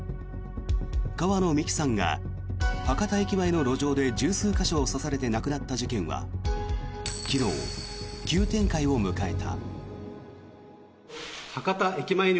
川野美樹さんが博多駅前の路上で１０数か所を刺されて亡くなった事件は昨日、急展開を迎えた。